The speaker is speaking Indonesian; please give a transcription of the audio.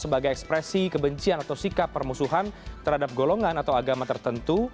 sebagai ekspresi kebencian atau sikap permusuhan terhadap golongan atau agama tertentu